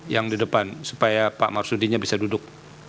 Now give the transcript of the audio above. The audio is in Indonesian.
yang di depan supaya pak marsudinya bisa duduk